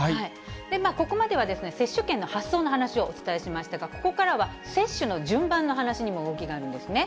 ここまでは接種券の発送の話をお伝えしましたが、ここからは、接種の順番の話にも動きがあるんですね。